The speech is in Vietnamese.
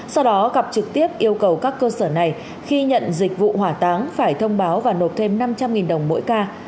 sau đó gặp trực tiếp yêu cầu các cơ sở này khi nhận dịch vụ hỏa táng phải thông báo và nộp thêm năm trăm linh đồng mỗi ca